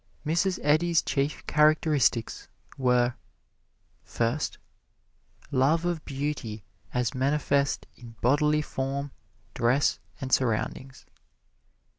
Mrs. Eddy's chief characteristics were: First, Love of Beauty as manifest in bodily form, dress and surroundings.